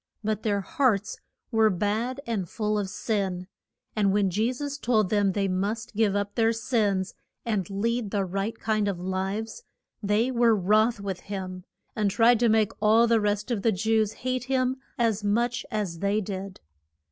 But their hearts were bad and full of sin, and when Je sus told them they must give up their sins and lead the right kind of lives, they were wroth with him, and tried to make all the rest of the Jews hate him as much as they did.